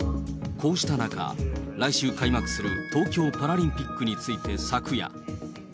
こうした中、来週開幕する東京パラリンピックについて昨夜。